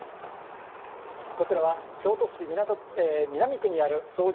こちらは京都市南区にある創業